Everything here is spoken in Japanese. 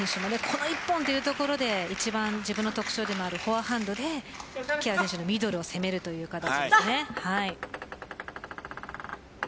この一本というところで自分の特徴であるフォアハンドで木原選手のミドルを攻める形です。